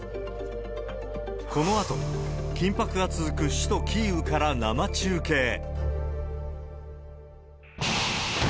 このあと、緊迫が続く首都キーウから生中継。